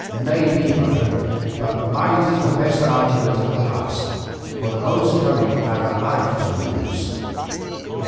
"May be, mother, but might is the best argument at the last, for the most cunning have a life to lose."